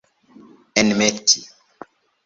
enmeti